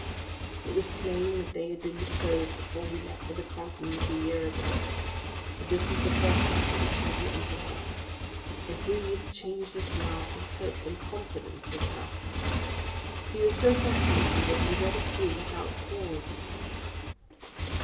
It was plain that they had been betrothed before he left for the continent a year ago; but this was the first letter which he had written to her. It breathed changeless love, and hope, and confidence in her. He was so fascinated that he read it through without pause.